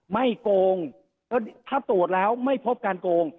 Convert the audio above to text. ไม่โกรธถ้าตรวจแล้วไม่พบการโกรธ